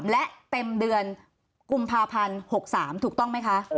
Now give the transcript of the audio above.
และเต็มเดือนกุมภาพันธ์๖๓ถูกต้องไหมคะ